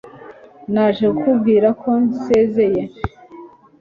naje kukubwira ko nsezeye